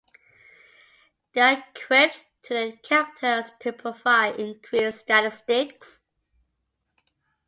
They are equipped to the characters to provide increased statistics.